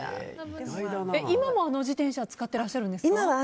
今もあの自転車使ってらっしゃるんですか？